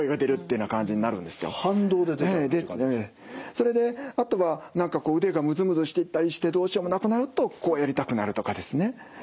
それであとは何かこう腕がムズムズしていったりしてどうしようもなくなるとこうやりたくなるとかですね。